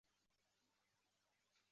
现为西城区普查登记文物。